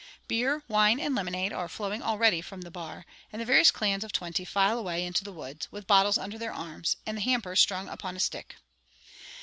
Beer, wine, and lemonade are flowing already from the bar, and the various clans of twenty file away into the woods, with bottles under their arms, and the hampers strung upon a stick.